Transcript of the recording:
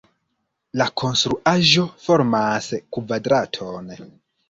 La konstruaĵo formas kvadraton.